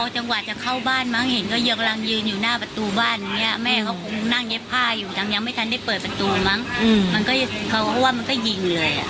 จังหวะจะเข้าบ้านมั้งเห็นก็เยอะกำลังยืนอยู่หน้าประตูบ้านอย่างนี้แม่เขาคงนั่งเย็บผ้าอยู่ยังไม่ทันได้เปิดประตูมั้งเขาก็ว่ามันก็ยิงเลย